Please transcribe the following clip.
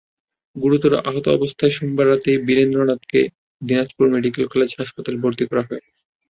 গুরুতর আহত অবস্থায় সোমবার রাতেই বীরেন্দ্রনাথকে দিনাজপুর মেডিকেল কলেজ হাসপাতালে ভর্তি করা হয়।